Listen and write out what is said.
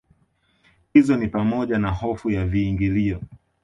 hizo ni pamoja na hofu ya viingilio